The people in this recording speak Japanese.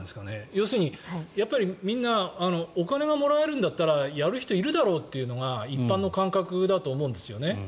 要するにやっぱりみんなお金がもらえるんだったらやる人いるだろうというのが一般の感覚だと思うんですよね。